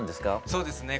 そうですね